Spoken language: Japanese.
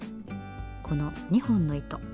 この２本の糸。